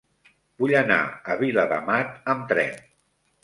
Vull anar a Viladamat amb tren.